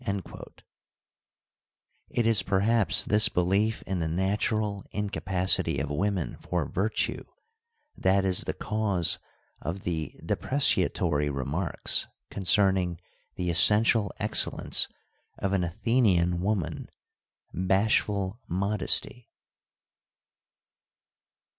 f It is, perhaps, this belief in the natural incapacity of women for virtue that is the cause of the depre ciatory remarks concerning the essential excellence of an Athenian woman, ' bashful modesty.'